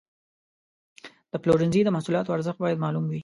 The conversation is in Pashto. د پلورنځي د محصولاتو ارزښت باید معلوم وي.